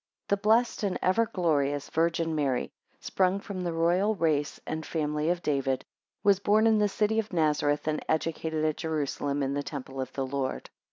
THE blessed and ever glorious Virgin Mary, sprung from the royal race and family of David, was born in the city of Nazareth, and educated at Jerusalem, in the temple of the Lord.